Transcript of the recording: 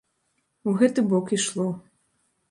У гэты бок ішло.